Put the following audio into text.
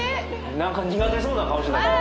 何か苦手そうな顔してたけど。